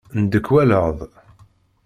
Ndekwaleɣ-d.